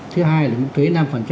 thứ hai là mức thuế năm